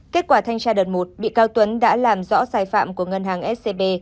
kết quả thanh tra đợt một bị cáo tuấn đã làm rõ sai phạm của ngân hàng scb